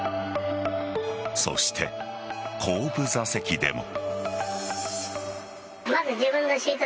そして後部座席でも。